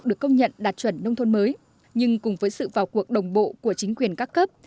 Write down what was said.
được công nhận đạt chuẩn nông thôn mới nhưng cùng với sự vào cuộc đồng bộ của chính quyền các cấp